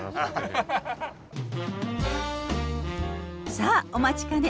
さあお待ちかね